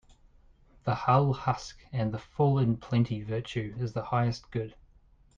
The hull husk and the full in plenty Virtue is the highest good.